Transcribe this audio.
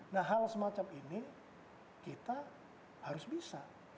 nah hal semacam ini kita harus bisa